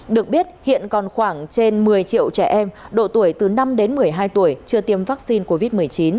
được biết hiện còn khoảng trên một mươi triệu trẻ em độ tuổi từ năm đến một mươi hai tuổi chưa tiêm vaccine covid một mươi chín